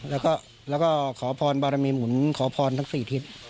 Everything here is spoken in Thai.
แล้วก็ขอพรบารมีหมุนขอพรทั้ง๔ทิศ